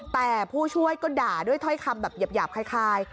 แต่ผู้ช่วยก็ด่าด้วยถ้อยคำแบบหยาบคล้าย